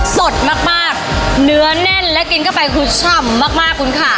สดมากเนื้อแน่นและกินเข้าไปคือฉ่ำมากคุณค่ะ